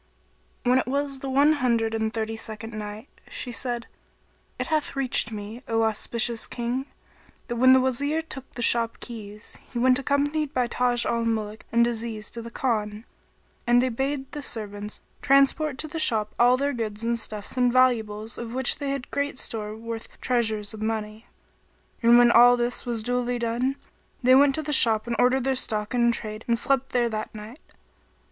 When it was the One Hundred and Thirty second Night, She said, It hath reached me, O auspicious King, that when the Wazir took the shop keys, he went accompanied by Taj al Muluk and Aziz to the Khan, and they bade the servants transport to the shop all their goods and stuffs and valuables of which they had great store worth treasures of money. And when all this was duly done, they went to the shop and ordered their stock in trade and slept there that night.